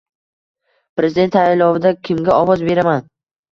Prezident saylovida kimga ovoz beraman?